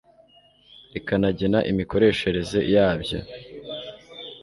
rikanagena imikoreshereze yabyo